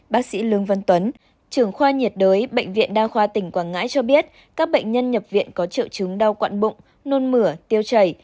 bác sĩ lương văn tuấn trưởng khoa nhiệt đới bệnh viện đa khoa tỉnh quảng ngãi cho biết các bệnh nhân nhập viện có triệu chứng đau quặn bụng nôn mửa tiêu chảy